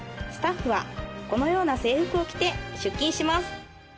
スタッフはこのような制服を着て出勤します